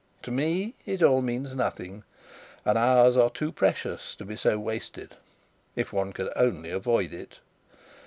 To me, it all means nothing; and hours are too precious to be so wasted if one could only avoid it.